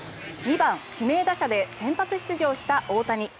２番指名打者で先発出場した大谷。